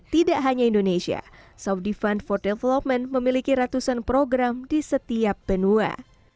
tidak hanya indonesia saudi fund for development memiliki ratusan program di setiap benua